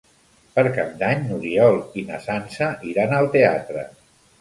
Per Cap d'Any n'Oriol i na Sança iran al teatre.